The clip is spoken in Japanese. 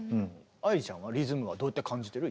愛理ちゃんはリズムはどうやって感じてる？